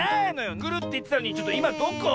「くる」っていってたのにちょっといまどこ？